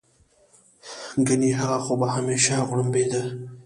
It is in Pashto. ګنې هغه خو به همېشه غړمبېده.